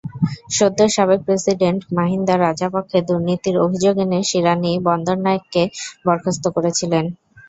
সদ্য সাবেক প্রেসিডেন্ট মাহিন্দা রাজাপক্ষে দুর্নীতির অভিযোগ এনে শিরানি বন্দরনায়েককে বরখাস্ত করেছিলেন।